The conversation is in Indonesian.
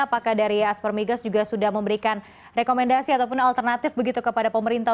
apakah dari aspermigas juga sudah memberikan rekomendasi ataupun alternatif begitu kepada pemerintah